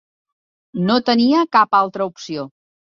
No tenia cap altra opció.